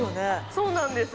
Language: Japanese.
そうなんです。